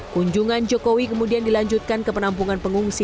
kunjungan jokowi kemudian dilanjutkan ke penampungan pengungsi